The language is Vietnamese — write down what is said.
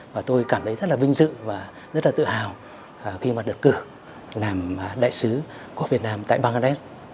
và tôi cảm thấy rất là vinh dự và rất là tự hào khi mà được cử làm đại sứ của việt nam tại bangladesh